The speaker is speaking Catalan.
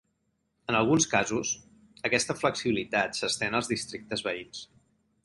En alguns casos, aquesta flexibilitat s'estén als districtes veïns.